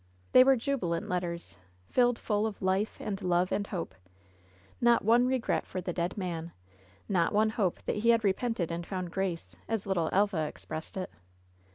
They were jubilant letters, filled full of life, and love, and hope. Not one regret for the dead man! not one hope that he had repented and found grace, as little Elva expressed it.